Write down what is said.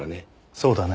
そうだね。